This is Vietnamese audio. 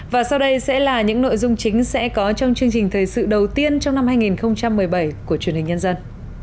và sau đây sẽ là những nội dung chính sẽ có trong chương trình thời sự đầu tiên trong năm hai nghìn một mươi bảy của truyền hình nhân dân